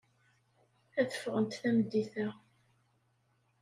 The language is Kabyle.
Ad ffɣent tameddit-a.